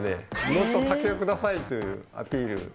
「もっと竹をください」というアピールですね。